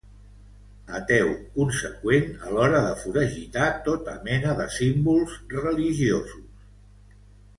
Ateu conseqüent a l'hora de foragitar tota mena de símbols religiosos.